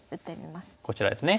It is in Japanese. こちらですね。